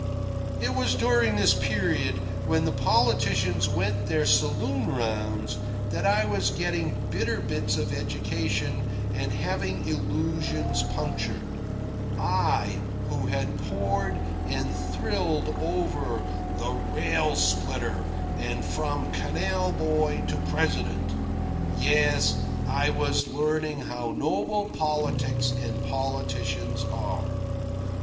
It was during this period, when the politicians went their saloon rounds, that I was getting bitter bits of education and having illusions punctured I, who had pored and thrilled over "The Rail Splitter," and "From Canal Boy to President." Yes, I was learning how noble politics and politicians are.